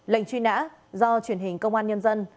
lệnh truy nã do truyền hình công an nhân dân